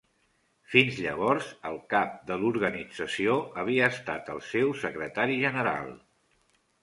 Fins llavors, el cap de l'organització havia estat el seu secretari general.